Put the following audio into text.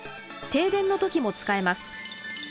停電の時も使えます。